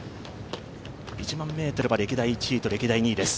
１００００ｍの歴代１位と２位です。